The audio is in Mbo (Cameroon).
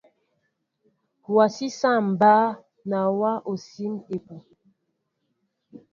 Wasi saŋ mba nawa osim epuh.